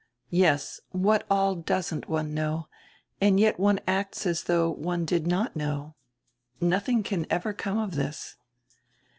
"Yes, what all doesn't one know, and yet one acts as though one did not know. Nothing can ever come of this."